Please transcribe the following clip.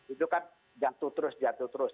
itu kan jatuh terus jatuh terus